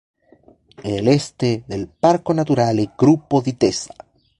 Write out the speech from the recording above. En el este del Parco Naturale Gruppo di Tessa.